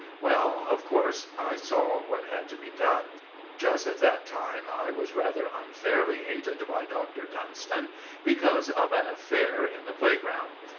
Well, of course I saw what had to be done. Just at that time I was rather unfairly hated by Dr. Dunstan, because of an affair in the playground.